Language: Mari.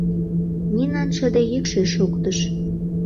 — Нинан шыде йӱкшӧ шоктыш.